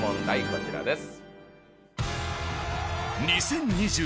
こちらです。